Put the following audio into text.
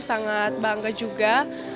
sangat bangga juga